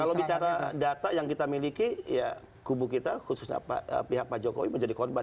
kalau bicara data yang kita miliki ya kubu kita khususnya pihak pak jokowi menjadi korban